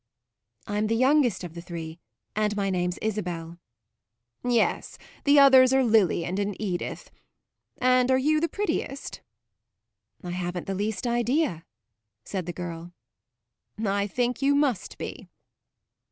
"I'm the youngest of the three, and my name's Isabel." "Yes; the others are Lilian and Edith. And are you the prettiest?" "I haven't the least idea," said the girl. "I think you must be."